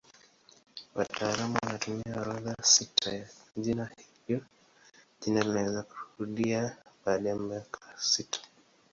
Wataalamu wanatumia orodha sita ya majina hivyo jina linaweza kurudia baada ya miaka sita.